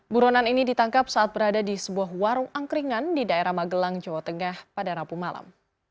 buronan ini ditangkap saat berada di sebuah warung angkringan di daerah magelang jawa tengah pada rabu malam